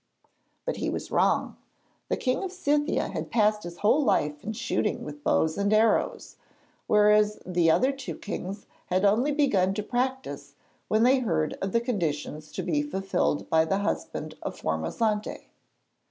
But he was wrong. The King of Scythia had passed his whole life in shooting with bows and arrows, whereas the other two kings had only begun to practise when they heard of the conditions to be fulfilled by the husband of Formosante.